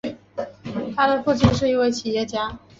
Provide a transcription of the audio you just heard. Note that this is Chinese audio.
他的父亲是一位企业家。